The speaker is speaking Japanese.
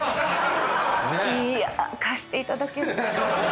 いや貸していただける。